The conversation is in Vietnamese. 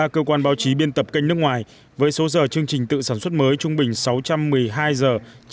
ba cơ quan báo chí biên tập kênh nước ngoài với số giờ chương trình tự sản xuất mới trung bình sáu trăm một mươi hai giờ